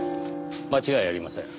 間違いありません。